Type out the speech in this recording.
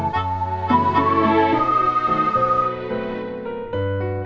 kau sudah yerah